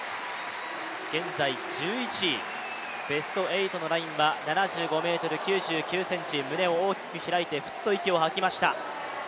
現在１１位、ベスト８のラインは７５ｍ９９ｃｍ、胸を大きく開いて、フッと息を吐きました。